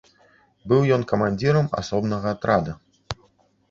Быў ён камандзірам асобнага атрада.